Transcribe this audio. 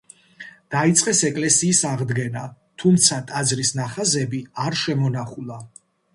დაიწყეს ეკლესიის აღდგენა, თუმცა ტაძრის ნახაზები არ შემონახულა.